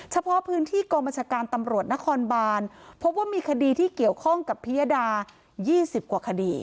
เฉพาะพื้นที่กองบัญชาการตำรวจนครบานพบว่ามีคดีที่เกี่ยวข้องกับพิยดา๒๐กว่าคดี